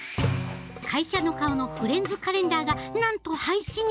会社の顔のフレンズカレンダーがなんと廃止に！